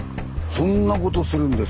そんなことするんですか。